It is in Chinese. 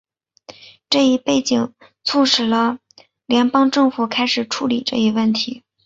这一背景促使了联邦政府开始处理这一问题。